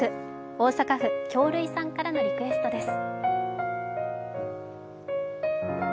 大阪府、きょうるいさんからのリクエストです。